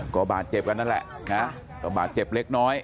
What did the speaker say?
ก็บาดเจ็บกันนั่นแหละนะก็บาดเจ็บเล็กน้อย